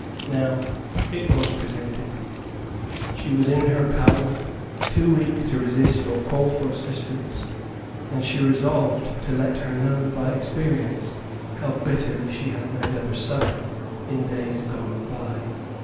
Now it was presented. She was in her power, too weak to resist or call for assistance, and she resolved to let her know by experience how bitterly she had made others suffer in days gone by.